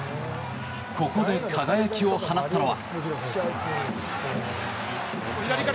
ここで輝きを放ったのは。